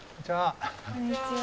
こんにちは。